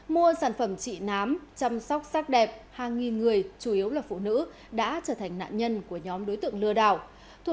mua sản phẩm trị nám chăm sóc sắc đẹp hàng nghìn người chủ yếu là phụ nữ đã trở thành nạn nhân của nhóm đối tượng lừa đảo